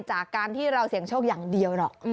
จากการที่เราเสี่ยงโชคอย่างเดียวหรอก